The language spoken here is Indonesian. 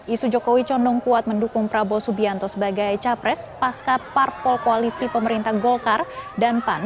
isu jokowi condong kuat mendukung prabowo subianto sebagai capres pasca parpol koalisi pemerintah golkar dan pan